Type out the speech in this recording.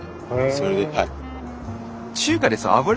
それではい。